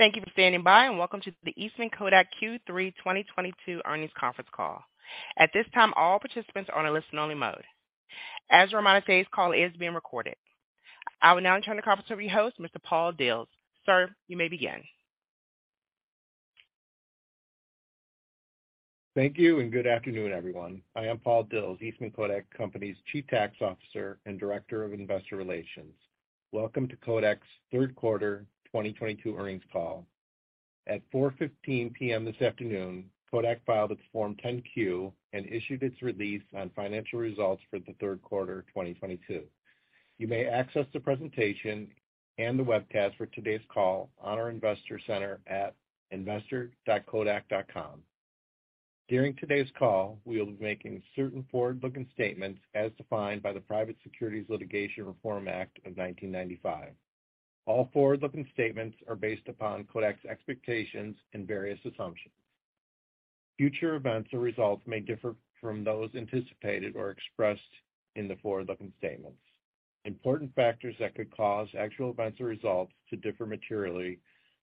Thank you for standing by, and welcome to the Eastman Kodak Q3 2022 earnings conference call. At this time, all participants are on a listen only mode. As a reminder, today's call is being recorded. I will now turn the conference over to your host, Mr. Paul Dils. Sir, you may begin. Thank you and good afternoon, everyone. I am Paul Dils, Eastman Kodak Company's Chief Tax Officer and Director of Investor Relations. Welcome to Kodak's third quarter 2022 earnings call. At 4:15 P.M. this afternoon, Kodak filed its Form 10-Q and issued its release on financial results for the third quarter 2022. You may access the presentation and the webcast for today's call on our investor center at investor.kodak.com. During today's call, we will be making certain forward-looking statements as defined by the Private Securities Litigation Reform Act of 1995. All forward-looking statements are based upon Kodak's expectations and various assumptions. Future events or results may differ from those anticipated or expressed in the forward-looking statements. Important factors that could cause actual events or results to differ materially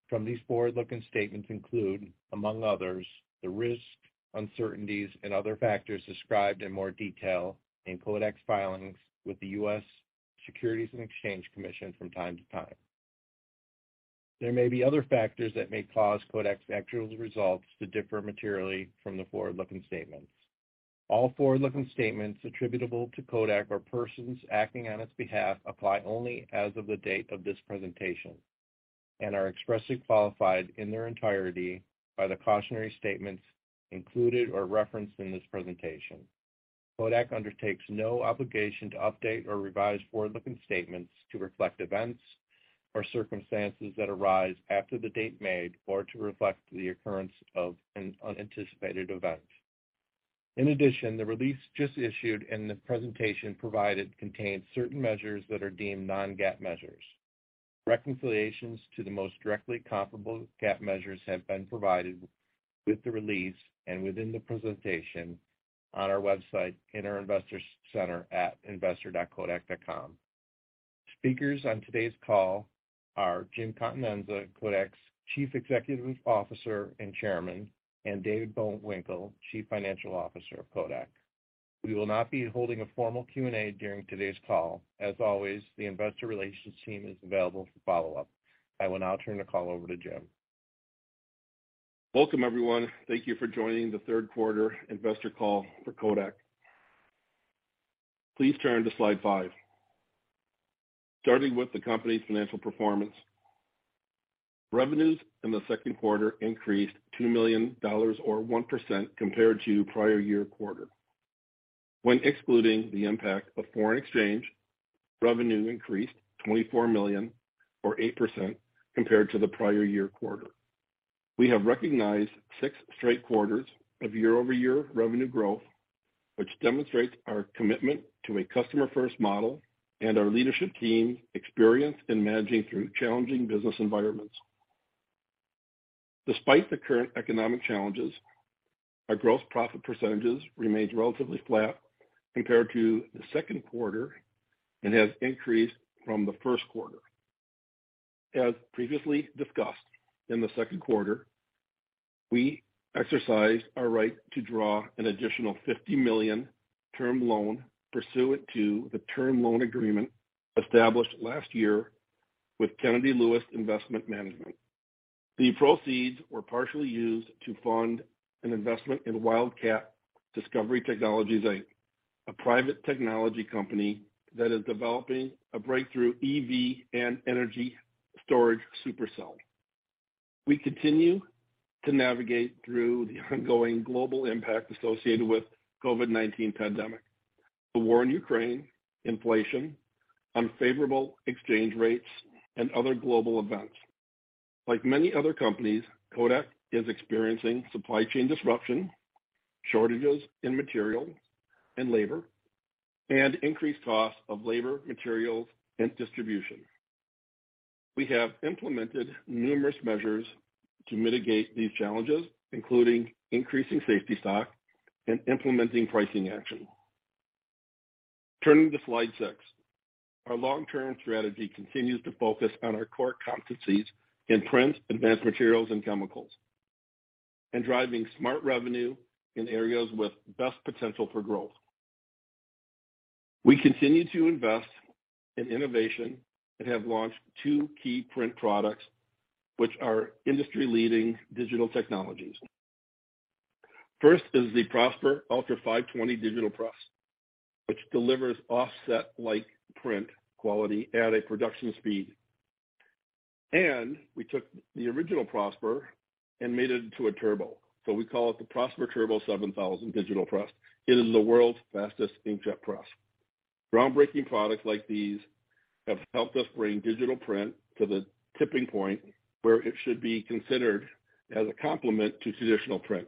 from these forward-looking statements include, among others, the risks, uncertainties and other factors described in more detail in Kodak's filings with the U.S. Securities and Exchange Commission from time to time. There may be other factors that may cause Kodak's actual results to differ materially from the forward-looking statements. All forward-looking statements attributable to Kodak or persons acting on its behalf apply only as of the date of this presentation and are expressly qualified in their entirety by the cautionary statements included or referenced in this presentation. Kodak undertakes no obligation to update or revise forward-looking statements to reflect events or circumstances that arise after the date made, or to reflect the occurrence of an unanticipated event. In addition, the release just issued and the presentation provided contains certain measures that are deemed Non-GAAP measures. Reconciliations to the most directly comparable GAAP measures have been provided with the release and within the presentation on our website in our investor center at investor.kodak.com. Speakers on today's call are Jim Continenza, Kodak's Chief Executive Officer and Chairman, and David Bullwinkle, Chief Financial Officer of Kodak. We will not be holding a formal Q&A during today's call. As always, the investor relations team is available for follow-up. I will now turn the call over to Jim. Welcome, everyone. Thank you for joining the third quarter investor call for Kodak. Please turn to slide five. Starting with the company's financial performance. Revenues in the second quarter increased $2 million or 1% compared to prior-year quarter. When excluding the impact of foreign exchange, revenue increased $24 million or 8% compared to the prior-year quarter. We have recognized 6 straight quarters of year-over-year revenue growth, which demonstrates our commitment to a customer-first model and our leadership team's experience in managing through challenging business environments. Despite the current economic challenges, our gross profit percentages remains relatively flat compared to the second quarter and has increased from the first quarter. As previously discussed in the second quarter, we exercised our right to draw an additional $50 million term loan pursuant to the term loan agreement established last year with Kennedy Lewis Investment Management. The proceeds were partially used to fund an investment in Wildcat Discovery Technologies, Inc., a private technology company that is developing a breakthrough EV and energy storage SuperCell. We continue to navigate through the ongoing global impact associated with COVID-19 pandemic, the war in Ukraine, inflation, unfavorable exchange rates, and other global events. Like many other companies, Kodak is experiencing supply chain disruption, shortages in materials and labor, and increased costs of labor, materials, and distribution. We have implemented numerous measures to mitigate these challenges, including increasing safety stock and implementing pricing action. Turning to slide six. Our long-term strategy continues to focus on our core competencies in print, advanced materials and chemicals, and driving smart revenue in areas with best potential for growth. We continue to invest in innovation and have launched two key print products which are industry-leading digital technologies. First is the PROSPER ULTRA 520 digital press, which delivers offset-like print quality at a production speed. We took the original PROSPER and made it into a turbo. We call it the PROSPER Turbo 7000 digital press. It is the world's fastest inkjet press. Groundbreaking products like these have helped us bring digital print to the tipping point where it should be considered as a complement to traditional print.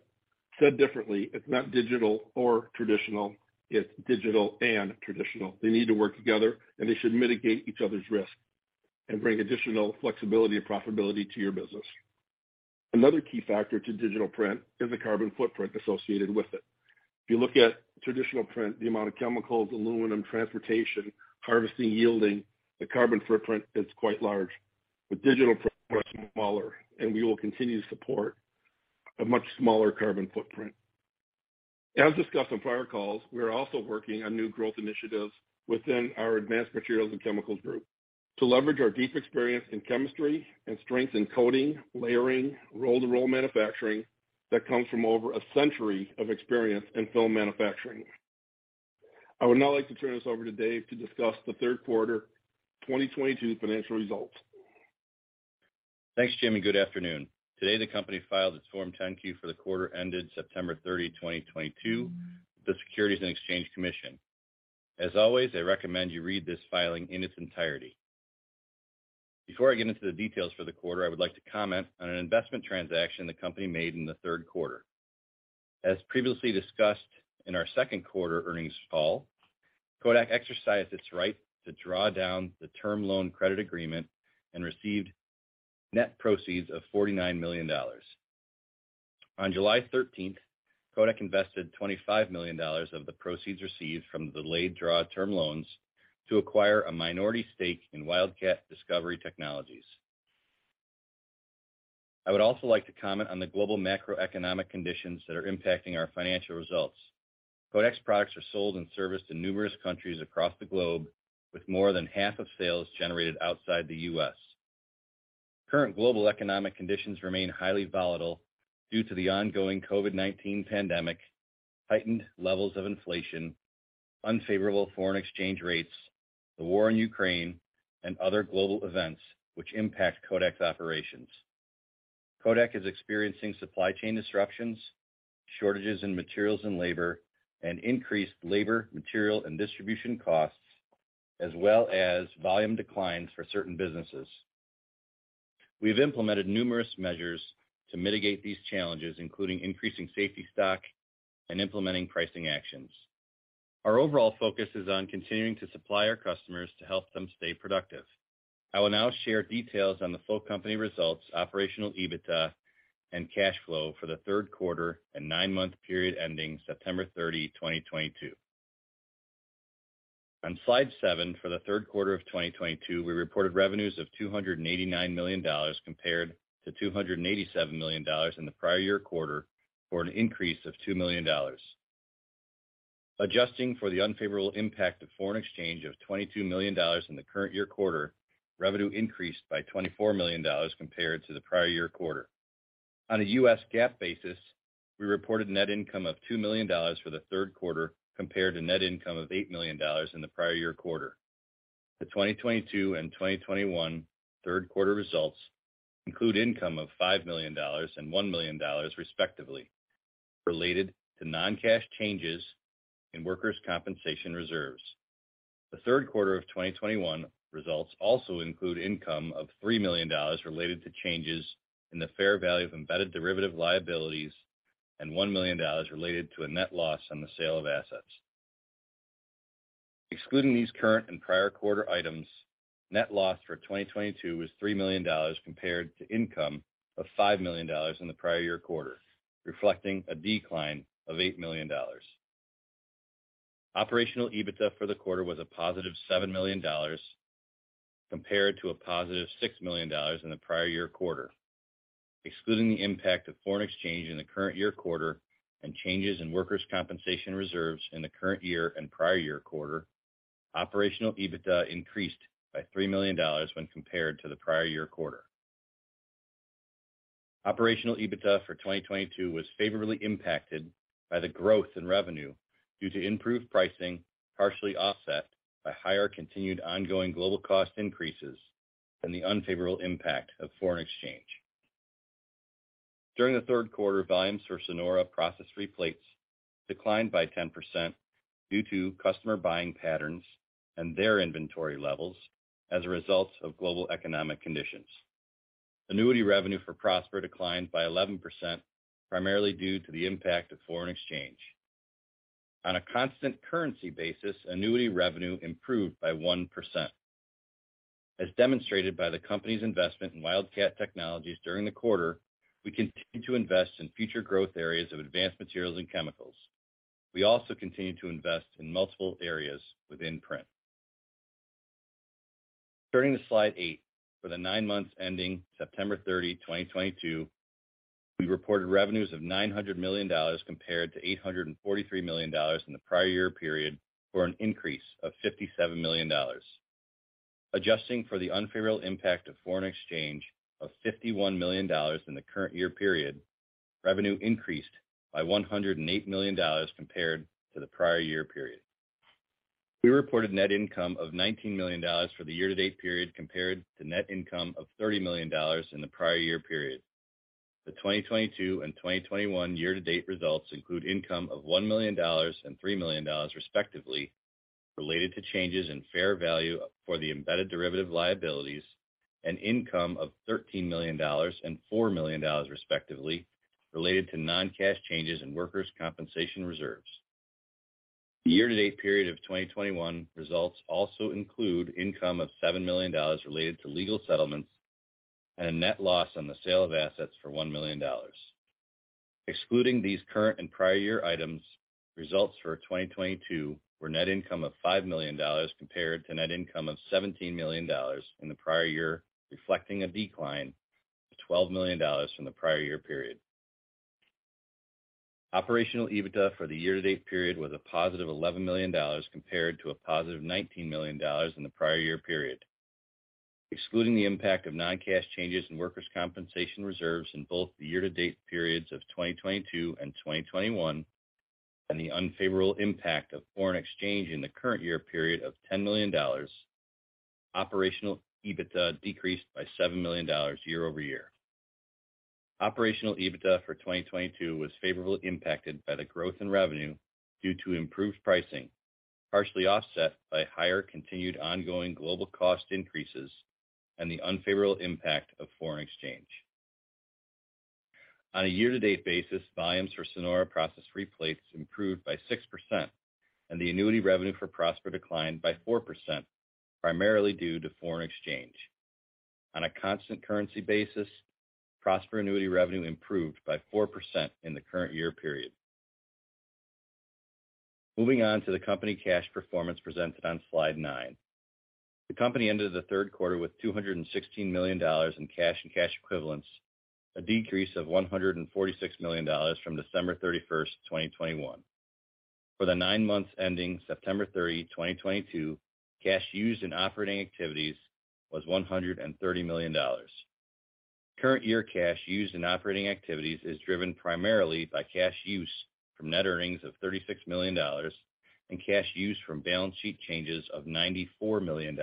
Said differently, it's not digital or traditional. It's digital and traditional. They need to work together, and they should mitigate each other's risk and bring additional flexibility and profitability to your business. Another key factor to digital print is the carbon footprint associated with it. If you look at traditional print, the amount of chemicals, aluminum, transportation, harvesting, yielding, the carbon footprint is quite large. With digital print, much smaller, and we will continue to support a much smaller carbon footprint. As discussed on prior calls, we are also working on new growth initiatives within our advanced materials and chemicals group to leverage our deep experience in chemistry and strength in coating, layering, roll-to-roll manufacturing that comes from over a century of experience in film manufacturing. I would now like to turn this over to Dave to discuss the third quarter 2022 financial results. Thanks, Jim, and good afternoon. Today, the company filed its Form 10-Q for the quarter ended September 30th, 2022 with the Securities and Exchange Commission. As always, I recommend you read this filing in its entirety. Before I get into the details for the quarter, I would like to comment on an investment transaction the company made in the third quarter. As previously discussed in our second quarter earnings call, Kodak exercised its right to draw down the term loan credit agreement and received net proceeds of $49 million. On July 13th, Kodak invested $25 million of the proceeds received from the delayed draw term loans to acquire a minority stake in Wildcat Discovery Technologies. I would also like to comment on the global macroeconomic conditions that are impacting our financial results. Kodak's products are sold and serviced in numerous countries across the globe, with more than half of sales generated outside the U.S. Current global economic conditions remain highly volatile due to the ongoing COVID-19 pandemic, heightened levels of inflation, unfavorable foreign exchange rates, the war in Ukraine, and other global events which impact Kodak's operations. Kodak is experiencing supply chain disruptions, shortages in materials and labor, and increased labor, material, and distribution costs, as well as volume declines for certain businesses. We've implemented numerous measures to mitigate these challenges, including increasing safety stock and implementing pricing actions. Our overall focus is on continuing to supply our customers to help them stay productive. I will now share details on the full company results, Operational EBITDA, and cash flow for the third quarter and nine-month period ending September 30th, 2022. On slide seven, for the third quarter of 2022, we reported revenues of $289 million compared to $287 million in the prior year quarter for an increase of $2 million. Adjusting for the unfavorable impact of foreign exchange of $22 million in the current year quarter, revenue increased by $24 million compared to the prior year quarter. On a U.S. GAAP basis, we reported net income of $2 million for the third quarter compared to net income of $8 million in the prior year quarter. The 2022 and 2021 third quarter results include income of $5 million and $1 million, respectively, related to non-cash changes in workers' compensation reserves. The third quarter of 2021 results also include income of $3 million related to changes in the fair value of embedded derivative liabilities and $1 million related to a net loss on the sale of assets. Excluding these current and prior quarter items, net loss for 2022 was $3 million compared to income of $5 million in the prior year quarter, reflecting a decline of $8 million. Operational EBITDA for the quarter was a positive $7 million compared to a positive $6 million in the prior year quarter. Excluding the impact of foreign exchange in the current year quarter and changes in workers' compensation reserves in the current year and prior year quarter, operational EBITDA increased by $3 million when compared to the prior year quarter. Operational EBITDA for 2022 was favorably impacted by the growth in revenue due to improved pricing, partially offset by higher continued ongoing global cost increases and the unfavorable impact of foreign exchange. During the third quarter, volumes for SONORA Process Free Plates declined by 10% due to customer buying patterns and their inventory levels as a result of global economic conditions. Annuity revenue for PROSPER declined by 11%, primarily due to the impact of foreign exchange. On a constant currency basis, annuity revenue improved by 1%. As demonstrated by the company's investment in Wildcat Discovery Technologies during the quarter, we continue to invest in future growth areas of advanced materials and chemicals. We also continue to invest in multiple areas within print. Turning to slide eight, for the nine months ending September 30th, 2022, we reported revenues of $900 million compared to $843 million in the prior year period, for an increase of $57 million. Adjusting for the unfavorable impact of foreign exchange of $51 million in the current year period, revenue increased by $108 million compared to the prior year period. We reported net income of $19 million for the year-to-date period compared to net income of $30 million in the prior year period. The 2022 and 2021 year-to-date results include income of $1 million and $3 million, respectively, related to changes in fair value for the embedded derivative liabilities and income of $13 million and $4 million, respectively, related to non-cash changes in workers' compensation reserves. The year-to-date period of 2021 results also include income of $7 million related to legal settlements and a net loss on the sale of assets for $1 million. Excluding these current and prior year items, results for 2022 were net income of $5 million compared to net income of $17 million in the prior year, reflecting a decline of $12 million from the prior year period. Operational EBITDA for the year-to-date period was a positive $11 million compared to a positive $19 million in the prior year period. Excluding the impact of non-cash changes in workers' compensation reserves in both the year-to-date periods of 2022 and 2021, and the unfavorable impact of foreign exchange in the current year period of $10 million, Operational EBITDA decreased by $7 million year-over-year. Operational EBITDA for 2022 was favorably impacted by the growth in revenue due to improved pricing, partially offset by higher continued ongoing global cost increases and the unfavorable impact of foreign exchange. On a year-to-date basis, volumes for SONORA Process Free Plates improved by 6%, and the annuity revenue for PROSPER declined by 4%, primarily due to foreign exchange. On a constant currency basis, PROSPER annuity revenue improved by 4% in the current year period. Moving on to the company cash performance presented on slide nine. The company ended the third quarter with $216 million in cash and cash equivalents, a decrease of $146 million from December 31st, 2021. For the nine months ending September 30th, 2022, cash used in operating activities was $130 million. Current year cash used in operating activities is driven primarily by cash use from net earnings of $36 million and cash use from balance sheet changes of $94 million,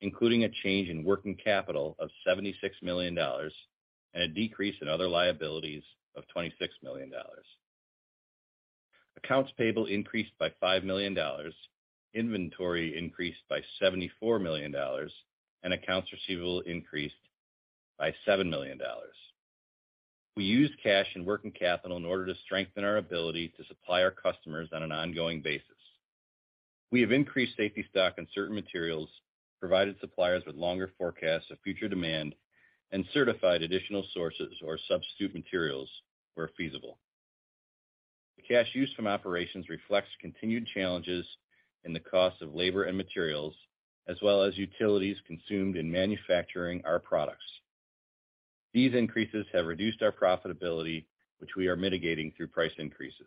including a change in working capital of $76 million and a decrease in other liabilities of $26 million. Accounts payable increased by $5 million, inventory increased by $74 million, and accounts receivable increased by $7 million. We used cash and working capital in order to strengthen our ability to supply our customers on an ongoing basis. We have increased safety stock in certain materials, provided suppliers with longer forecasts of future demand, and certified additional sources or substitute materials where feasible. The cash use from operations reflects continued challenges in the cost of labor and materials, as well as utilities consumed in manufacturing our products. These increases have reduced our profitability, which we are mitigating through price increases.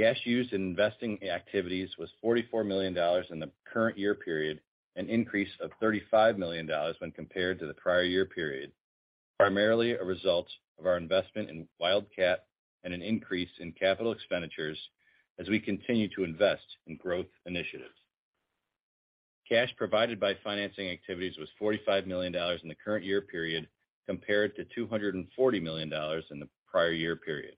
Cash used in investing activities was $44 million in the current year period, an increase of $35 million when compared to the prior year period, primarily a result of our investment in Wildcat and an increase in capital expenditures as we continue to invest in growth initiatives. Cash provided by financing activities was $45 million in the current year period compared to $240 million in the prior year period.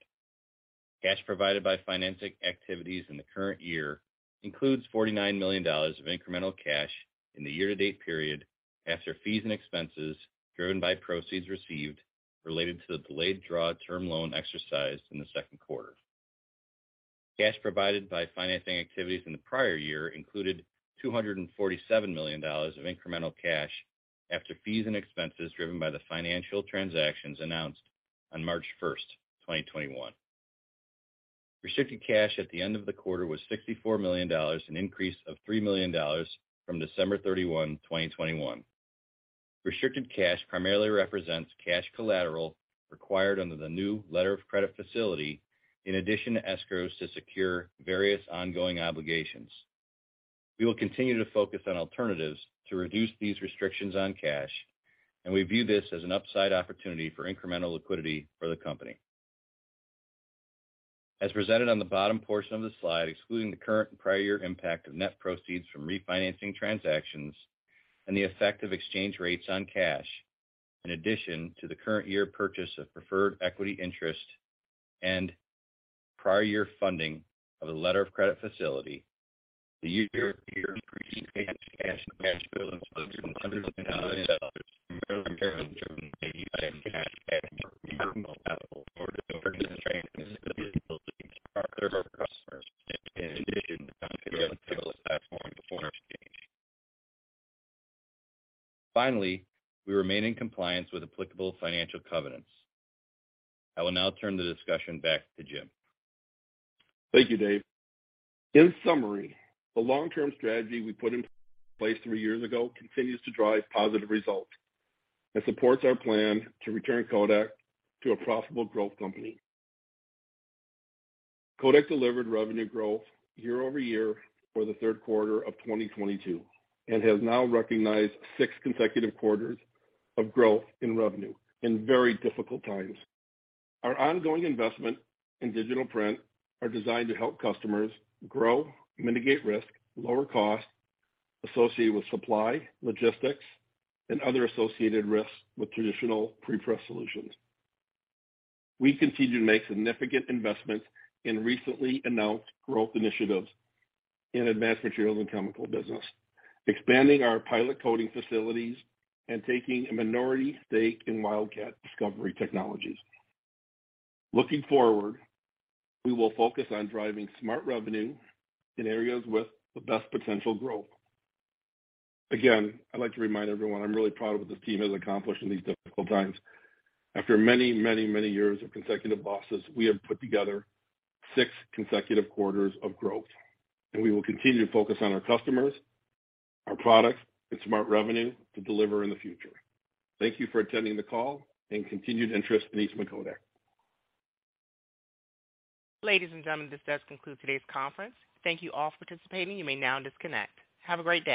Cash provided by financing activities in the current year includes $49 million of incremental cash in the year-to-date period after fees and expenses driven by proceeds received related to the delayed draw term loan exercised in the second quarter. Cash provided by financing activities in the prior year included $247 million of incremental cash after fees and expenses driven by the financial transactions announced on March 1st, 2021. Restricted cash at the end of the quarter was $64 million, an increase of $3 million from December 31st, 2021. Restricted cash primarily represents cash collateral required under the new letter of credit facility in addition to escrows to secure various ongoing obligations. We will continue to focus on alternatives to reduce these restrictions on cash, and we view this as an upside opportunity for incremental liquidity for the company. As presented on the bottom portion of the slide, excluding the current and prior year impact of net proceeds from refinancing transactions and the effect of exchange rates on cash, in addition to the current year purchase of preferred equity interest and prior year funding of a letter of credit facility, the year-to-date increase in cash and cash equivalents was $200 million, primarily driven by an increase in cash and marketable securities to strengthen the stability of our business, in addition to unfavorable platform foreign exchange. Finally, we remain in compliance with applicable financial covenants. I will now turn the discussion back to Jim. Thank you, David. In summary, the long-term strategy we put in place three years ago continues to drive positive results and supports our plan to return Kodak to a profitable growth company. Kodak delivered revenue growth year-over-year for the third quarter of 2022, and has now recognized six consecutive quarters of growth in revenue in very difficult times. Our ongoing investment in digital print are designed to help customers grow, mitigate risk, lower cost associated with supply, logistics, and other associated risks with traditional pre-press solutions. We continue to make significant investments in recently announced growth initiatives in advanced materials and chemical business, expanding our pilot coating facilities and taking a minority stake in Wildcat Discovery Technologies. Looking forward, we will focus on driving smart revenue in areas with the best potential growth. Again, I'd like to remind everyone I'm really proud of what this team has accomplished in these difficult times. After many, many, many years of consecutive losses, we have put together six consecutive quarters of growth, and we will continue to focus on our customers, our products, and smart revenue to deliver in the future. Thank you for attending the call and continued interest in Eastman Kodak. Ladies and gentlemen, this does conclude today's conference. Thank you all for participating. You may now disconnect. Have a great day.